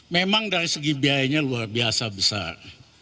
memang dari segi biayanya luar biasa besar